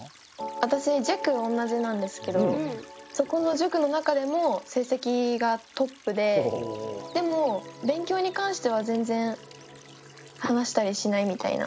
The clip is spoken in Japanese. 私塾同じなんですけどそこの塾の中でも成績がトップででも勉強に関しては全然話したりしないみたいな。